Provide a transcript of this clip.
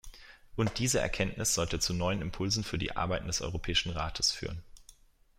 Und diese Erkenntnis sollte zu neuen Impulsen für die Arbeiten des Europäischen Rates führen.